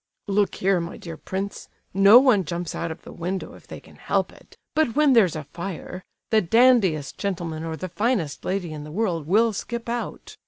"Look here, my dear prince, no one jumps out of the window if they can help it; but when there's a fire, the dandiest gentleman or the finest lady in the world will skip out!